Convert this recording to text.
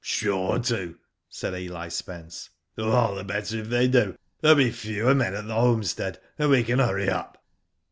Sure to," said Eli Spence. ''AH the better if they do, there will be fewer men at the homestead, and we can hurry up."